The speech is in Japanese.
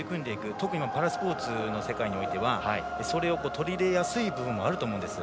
特にパラスポーツの世界においてはそれを取り入れやすい部分があると思うんです。